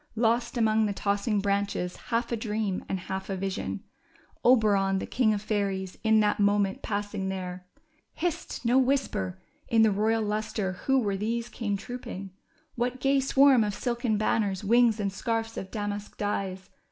Lost among the tossing branches, half a dream and half a vision, Oberon, the king of fairies, in that moment passing there ! Hist ! No whisper ! In the royal lustre Avho were these came trooping ? What gay swarm of silken banners, wings, and scarfs of damask dyes